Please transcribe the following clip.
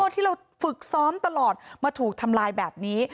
ที่เราฝึกซ้อมตลอดมาถูกทำลายแบบนี้